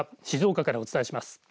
静岡からお伝えします。